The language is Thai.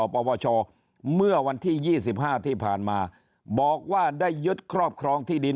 ปปชเมื่อวันที่๒๕ที่ผ่านมาบอกว่าได้ยึดครอบครองที่ดิน